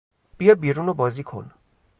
بیا بیرون و بازی کن.